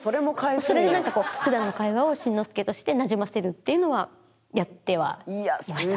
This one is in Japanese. それでなんか普段の会話をしんのすけとしてなじませるっていうのはやってはいました。